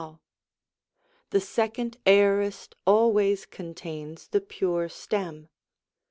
The second Aorist always contains the pure stem.